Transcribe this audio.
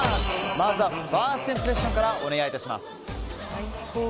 まずはファーストインプレッションからお願いします。